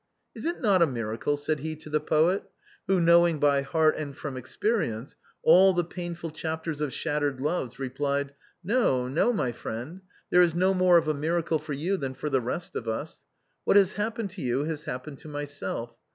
" Is it not a miracle ?" said he to the poet, who, knowing by heart and from experience all the painful chapters of shattered loves, replied: " No, no, my friend, there is no more of a miracle for you than for the rest of us. What has happened to you has happened to myself.